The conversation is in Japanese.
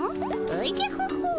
おじゃホホッ。